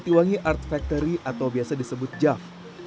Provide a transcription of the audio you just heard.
tiwangi art factory atau biasa disebut jav